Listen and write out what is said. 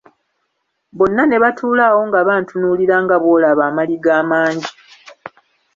Bonna ne batuula awo nga bantunuulira nga bw'olaba amaliga amangi.